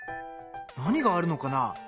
何があるのかな？